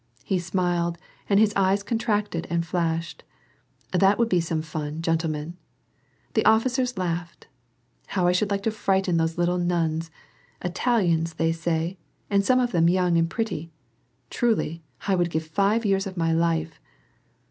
He smiled, and his eyes contracted and flashed. "That would be some fun, gentlemen !"— the officers laughed —" How I should like to frighten those little nuns ! Italians, they say, and some of them young and pretty. Truly, I would give live years of my life